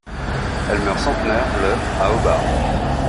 Elle meurt centenaire le à Hobart.